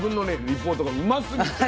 リポートがうますぎて。